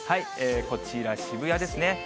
こちら、渋谷ですね。